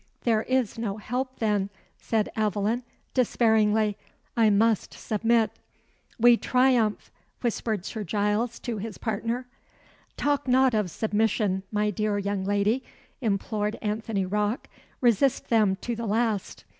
"There is no help then!" said Aveline, despairingly. "I must submit." "We triumph," whispered Sir Giles to his partner. "Talk not of submission, my dear young lady," implored Anthony Rocke. "Resist them to the last.